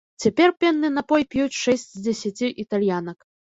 Цяпер пенны напой п'юць шэсць з дзесяці італьянак.